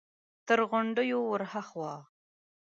تر غونډيو ور هاخوا!